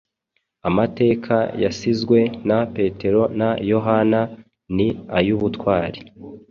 Amateka yasizwe na Petero na Yohana, ni ay’ubutwari